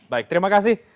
baik terima kasih